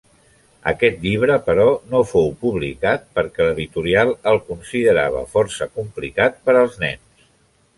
Aquest llibre, però, no fou publicat perquè l'editorial el considerava força complicat per als nens.